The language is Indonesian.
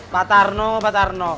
pak tarno pak tarno